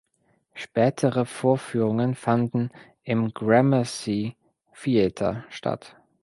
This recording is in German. Spätere Vorführungen fanden im Gramercy Theatre statt.